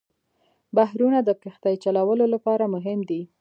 بحرونه د کښتۍ چلولو لپاره مهم دي.